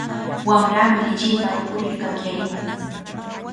Wamrami lichinta upurir kakyarimun.